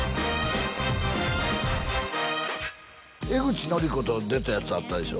江口のりこと出たやつあったでしょ？